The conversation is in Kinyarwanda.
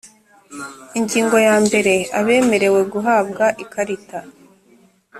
Ingingo ya mbere Abemerewe guhabwa ikarita